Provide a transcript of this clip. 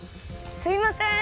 すいません！